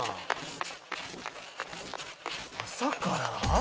「朝から？」